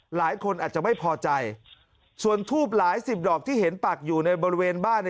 หลายคนอาจจะไม่พอใจส่วนทูบหลายสิบดอกที่เห็นปักอยู่ในบริเวณบ้าน